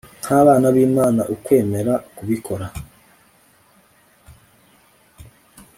nk'abana b'imana, ukwemera kubikora